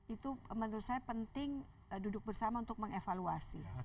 itu menurut saya penting duduk bersama untuk mengevaluasi